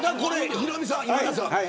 ヒロミさん、今田さん